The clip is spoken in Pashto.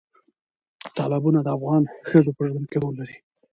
تالابونه د افغان ښځو په ژوند کې رول لري.